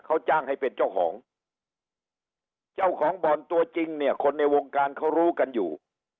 เขาจ้างให้เป็นเจ้าของเจ้าของบ่อนตัวจริงเนี่ยคนในวงการเขารู้กันอยู่